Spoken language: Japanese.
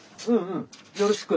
よろしく。